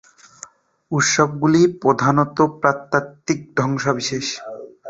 উৎসগুলি প্রধানত প্রত্নতাত্ত্বিক ধ্বংসাবশেষ।